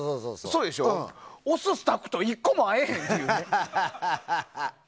押すスタッフと１個も合えへんっていう。